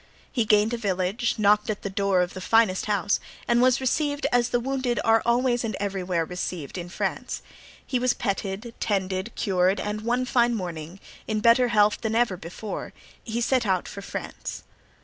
He gained a village, knocked at the door of the finest house and was received as the wounded are always and everywhere received in France. He was petted, tended, cured; and one fine morning, in better health than ever before, he set out for France.